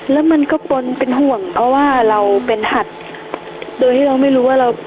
แล้วมันก็ควรเป็นห่วงเพราะว่าเราเป็นหัดโดยที่เราไม่รู้ว่าเรา